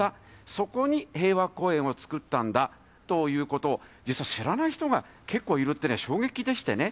そこに平和公園を作ったんだということを、実は知らない人が結構いるというのは衝撃でしてね。